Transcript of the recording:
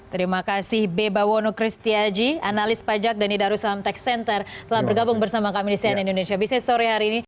terima kasih bebawono kristiaji analis pajak dan idarusam tax center telah bergabung bersama kami di sian indonesia business story hari ini